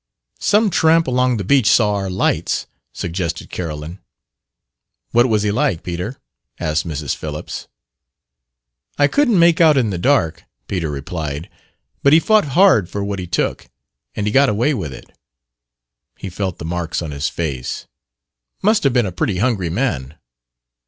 "Some tramp along the beach saw our lights," suggested Carolyn. "What was he like, Peter?" asked Mrs. Phillips. "I couldn't make out in the dark," Peter replied. "But he fought hard for what he took, and he got away with it." He felt the marks on his face. "Must have been a pretty hungry man."